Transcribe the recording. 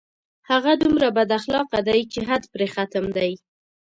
هغه دومره بد اخلاقه دی چې حد پرې ختم دی